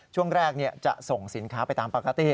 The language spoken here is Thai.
ช่วงแรกจะส่งสินค้าไปตามปกติ